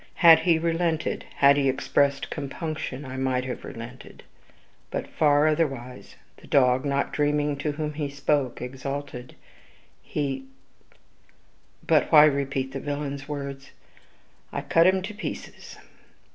Had he relented, had he expressed compunction, I might have relented. But far otherwise: the dog, not dreaming to whom he spoke, exulted; he But why repeat the villain's words? I cut him to pieces.